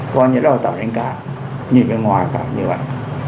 coi như đó là tàu đánh cá nhìn bên ngoài cả như vậy